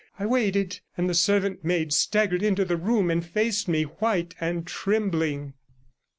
I waited, and the servant maid staggered into the room and faced me, white and trembling.